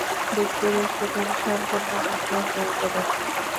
দেখতে-দেখতে তিনি সম্পূর্ণ নগ্ন হয়ে গেলেন।